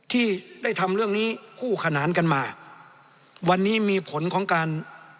ที่ได้ทำเรื่องนี้คู่ขนานกันมาวันนี้มีผลของการ